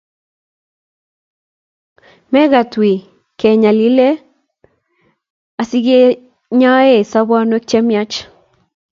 Mekat wei kenyalilie asikenyoeu sobonwek che miach?